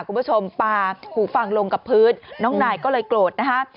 คุณผู้ชมปลาหูฟังลงกับพื้นน้องนายก็เลยโกรธนะฮะ